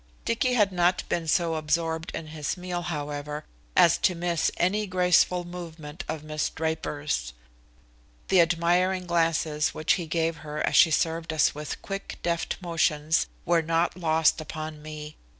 Dicky had not been so absorbed in his meal, however, as to miss any graceful movement of Miss Draper's. The admiring glances which he gave her as she served us with quick, deft motions were not lost upon me.